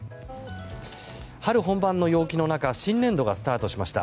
春本番の陽気の中新年度がスタートしました。